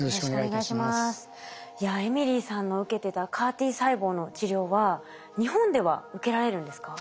いやエミリーさんの受けてたＣＡＲ−Ｔ細胞の治療は日本では受けられるんですか？